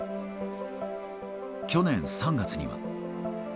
去年３月には。